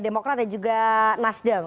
demokrat dan juga nasdem